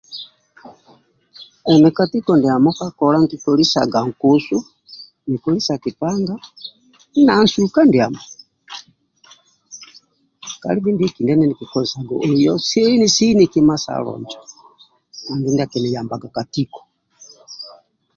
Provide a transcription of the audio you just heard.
Emi ka tiko ndiamo ka kola nkikolisaga nkusu, nikolisa kipanga, na nsuka ndiamo. Kalibe ndiekina ndie nikikozesaga oyo sini sini kima salo injo andu ndia akiniyambaga ka tiko